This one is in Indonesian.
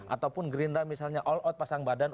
ataupun gerindra misalnya all out pasang badan